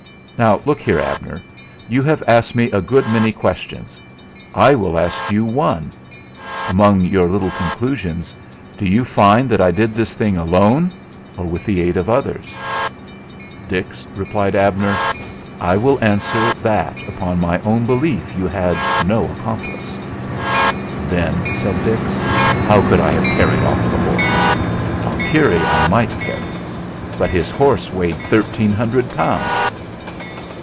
Now, look here, Abner, you have asked me a good many questions. I will ask you one. Among your little conclusions do you find that I did this thing alone or with the aid of others?" "Dix," replied Abner, "I will answer that upon my own belief you had no accomplice." "Then," said Dix, "how could I have carried off the horse? Alkire I might carry; but his horse weighed thirteen hundred pounds!"